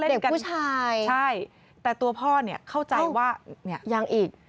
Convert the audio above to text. เด็กผู้ชายใช่แต่ตัวพ่อเข้าใจว่ายังอีก